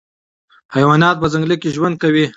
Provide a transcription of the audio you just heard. حیوانات په ځنګل کې ژوند کوي.